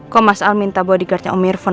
kok mas al minta bodyguardnya om irfan